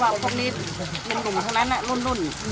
ว่าพวกนี้เป็นหนุ่มเท่านั้นลุ่น